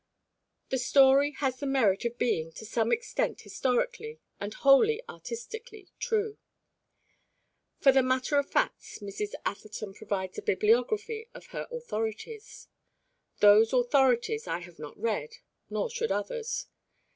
The story has the merit of being, to some extent historically, and wholly artistically, true. For the matter of facts Mrs. Atherton provides a bibliography of her authorities. Those authorities I have not read, nor should others.